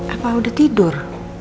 apa udah tidur